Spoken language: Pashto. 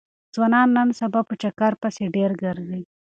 ځوانان نن سبا په چکر پسې ډېر ګرځي.